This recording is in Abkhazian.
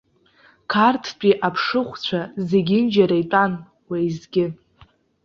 Қарҭтәи аԥшыхәцәа зегьынџьара итәан уеизгьы.